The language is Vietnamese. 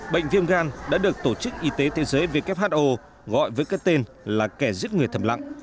bệnh viêm gan đã được tổ chức y tế thế giới who gọi với cái tên là kẻ giết người thầm lặng